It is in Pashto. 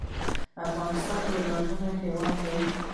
افغانستان یو لرغونی هېواد دی